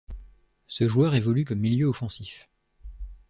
Ce joueur évolue comme milieu offensif.